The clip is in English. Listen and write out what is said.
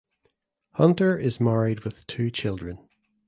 Hunter is married with two children.